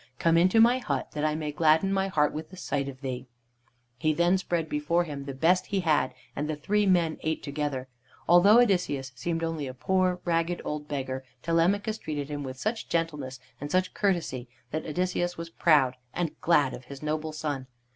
"Come into my hut, that I may gladden my heart with the sight of thee." He then spread before him the best he had, and the three men ate together. Although Odysseus seemed only a poor, ragged, old beggar, Telemachus treated him with such gentleness and such courtesy that Odysseus was proud and glad of his noble son.